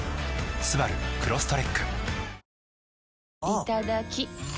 いただきっ！